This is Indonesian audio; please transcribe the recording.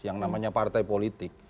yang namanya partai politik